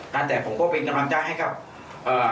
ตั้งแต่ผมก็เป็นกำลังจ้างให้กับเอ่อ